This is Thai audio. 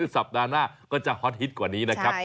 สัปดาห์หน้าก็จะฮอตฮิตกว่านี้นะครับ